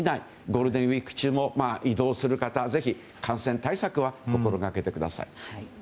ゴールデンウィーク中も移動する方、ぜひ感染対策は心がけてください。